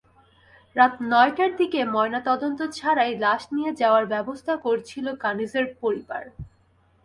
রাত নয়টার দিকে ময়নাতদন্ত ছাড়াই লাশ নিয়ে যাওয়ার ব্যবস্থা করছিল কানিজের পরিবার।